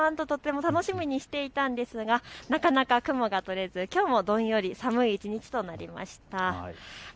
ワンととっても楽しみにしていたんですが、なかなか雲が取れずきょうもどんより寒い一日となりました。